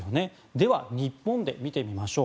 では、日本で見てみましょう。